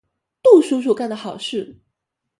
杜叔叔干的好事。